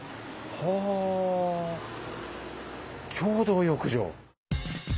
はあ共同浴場。